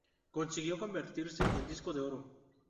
Consiguió convertirse en disco de oro.